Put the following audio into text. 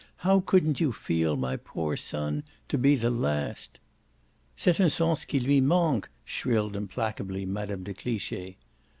"How couldn't you feel my poor son to be the last ?" "C'est un sens qui lui manque!" shrilled implacably Mme. de Cliche.